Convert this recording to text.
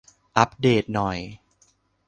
อัปเดตหน่อย